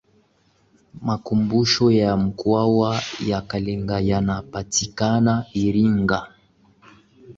makumbusho ya mkwawa ya kalenga yanapatikana iringa